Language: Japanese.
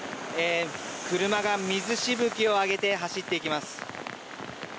車が水しぶきを上げて走っていきます。